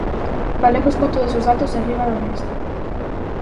Falemos con todos os datos enriba da mesa.